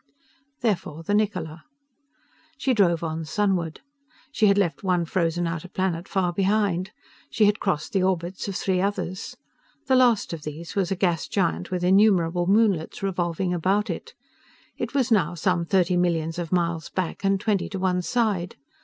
Therefore the Niccola. She drove on sunward. She had left one frozen outer planet far behind. She had crossed the orbits of three others. The last of these was a gas giant with innumerable moonlets revolving about it. It was now some thirty millions of miles back and twenty to one side.